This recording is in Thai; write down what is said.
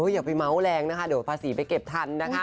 อย่าไปเมาส์แรงนะคะเดี๋ยวภาษีไปเก็บทันนะคะ